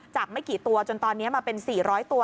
ไม่กี่ตัวจนตอนนี้มาเป็น๔๐๐ตัว